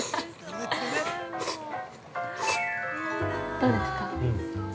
◆どうですか。